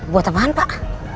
buat apaan pak